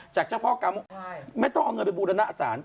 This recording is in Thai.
๒๓จากเจ้าพ่อกรรมไม่ต้องเอาเงินปฏิบุรถนาสาร